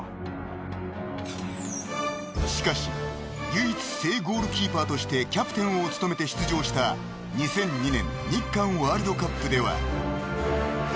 ［しかし唯一正ゴールキーパーとしてキャプテンを務めて出場した２００２年日韓ワールドカップでは］